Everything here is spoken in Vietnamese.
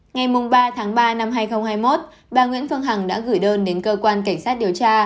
ngày ba tháng ba năm hai nghìn hai mươi một bà nguyễn phương hằng đã gửi đơn đến cơ quan cảnh sát điều tra